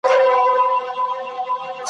ګړی وروسته یې کرار سوله دردوونه `